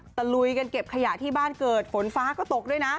ลุยกันเก็บขยะที่บ้านเกิดฝนฟ้าก็ตกด้วยนะ